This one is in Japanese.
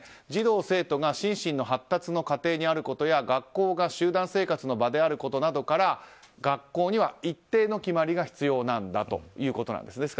児童生徒が心身発達の過程にあることや学校が集団生活の場であることなどから学校には一定の決まりが必要なんだということです。